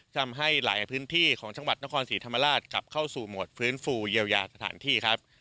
ทำให้หลายพื้นที่ของจังหวัดนครศรีธรรมราชกลับเข้าสู่หมวดฟื้นฟูเยียวยาสถานที่ครับ